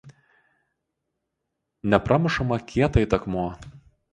nepramušamą kietą it akmuo